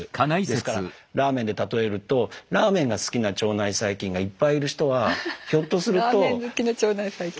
ですからラーメンで例えるとラーメンが好きな腸内細菌がいっぱいいる人はひょっとすると。